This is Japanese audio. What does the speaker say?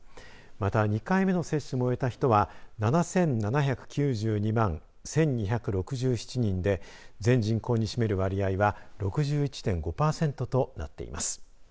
また２回目の接種も終えた人は７７９２万１２６７人で全人口に占める割合は６１．５パーセントとなっています。